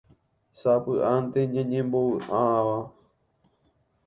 sapy'ánte ñanembovy'áva